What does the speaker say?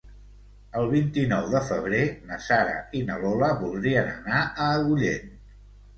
El vint-i-nou de febrer na Sara i na Lola voldrien anar a Agullent.